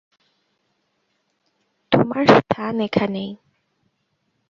তোমার স্থান এখানেই।